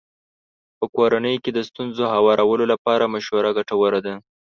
په کورنۍ کې د ستونزو هوارولو لپاره مشوره ګټوره ده.